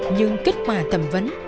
nhưng kết quả thẩm vấn